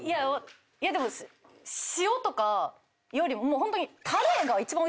いやでも塩とかよりもうホントに。